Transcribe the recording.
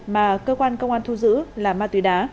mà cơ quan công an thu giữ là ma túy đá